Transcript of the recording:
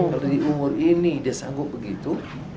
kalau di umur ini dia sanggup begitu